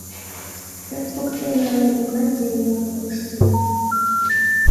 Пӧрт воктене ала-могай еҥ-влак коштыныт.